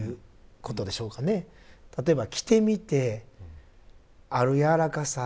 例えば着てみてある柔らかさ。